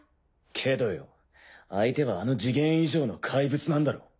けどよ相手はあのジゲン以上の怪物なんだろう？